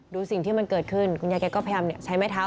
ดูสิ่งที่มันเกิดขึ้นคุณยายแกก็พยายามใช้ไม้เท้า